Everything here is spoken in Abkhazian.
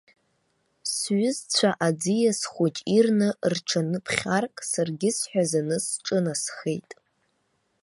Сҩызцәа аӡиас хәыҷ ирны рҽаныԥхьарк, саргьы сҳәазаны сҿынасхеит.